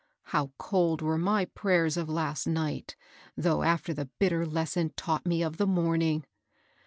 How cold were my prayers of last night, though after the bitter lesson taught me of the morning!